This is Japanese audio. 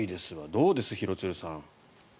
どうです、廣津留さん。